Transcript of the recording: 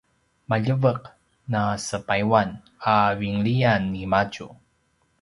“maljeveq na sepayuan” a vinlian nimadju